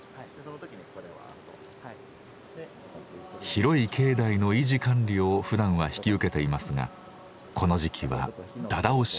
広い境内の維持管理をふだんは引き受けていますがこの時期は「だだおし」